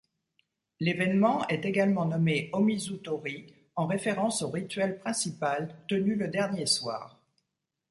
L’événement est également nommé Omizu-tori en référence au rituel principal tenu le dernier soir.